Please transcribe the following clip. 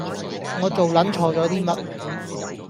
我做撚錯咗啲乜